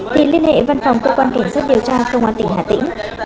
thì liên hệ văn phòng cơ quan cảnh sát điều tra công an tỉnh hà tĩnh